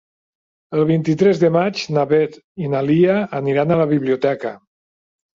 El vint-i-tres de maig na Beth i na Lia aniran a la biblioteca.